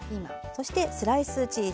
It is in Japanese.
そしてスライスチーズ。